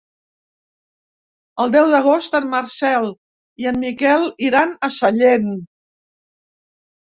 El deu d'agost en Marcel i en Miquel iran a Sallent.